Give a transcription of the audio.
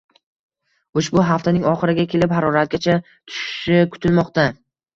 Ushbu haftaning oxiriga kelib haroratgacha tushishi kutilmoqda.